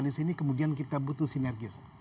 di sini kemudian kita butuh sinergis